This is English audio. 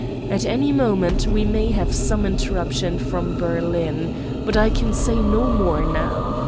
At any moment we may have some interruption from Berlin. But I can say no more now.